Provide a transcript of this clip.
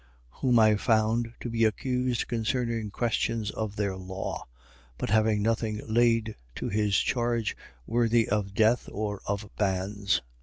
23:29. Whom I found to be accused concerning questions of their law; but having nothing laid to his charge worthy of death or of bands.